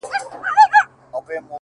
هغه نجلۍ نوره له ما څخه پرده نه کوي;